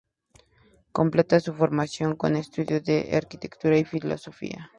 Completa su formación con estudios de Arquitectura y Filosofía.